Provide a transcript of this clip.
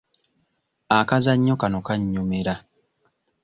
Akazannyo kano kannyumira.